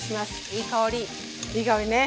いい香りね。